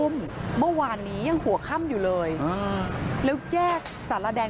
เมื่อวานนี้ยังหัวค่ำอยู่เลยอืมแล้วแยกสารแดง